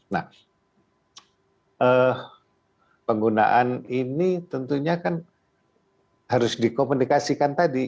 nah penggunaan ini tentunya kan harus dikomunikasikan tadi